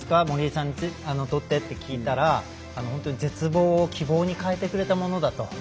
森井さんにとってって聞いたら本当に絶望を希望に変えてくれたものだと。